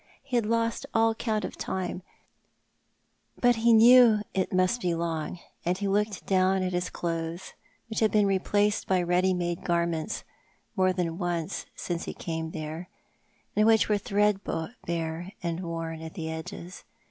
He had lost all count of time, but he knew that it must be long — and he looked down at his clothes, which had been replaced by ready made garments more than once since he came there, and which yet were threadbare and worn at the edges.